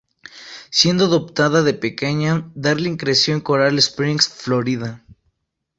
Siendo adoptada de pequeña, Darlin creció en Coral Springs, Florida.